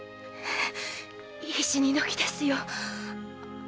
いい死にどきですよ。